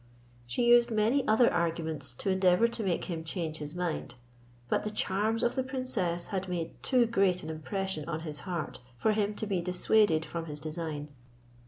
She used many other arguments to endeavour to make him change his mind; but the charms of the princess had made too great an impression on his heart for him to be dissuaded from his design.